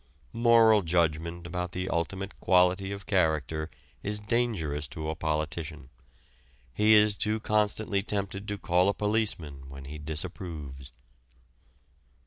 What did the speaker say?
Moral judgment about the ultimate quality of character is dangerous to a politician. He is too constantly tempted to call a policeman when he disapproves.